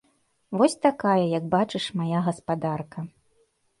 Вось такая, як бачыш, мая гаспадарка.